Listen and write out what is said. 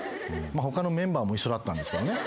他のメンバーも一緒だったんですけどね。